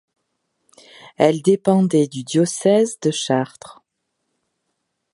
Elle dépendait du diocèse de Chartres.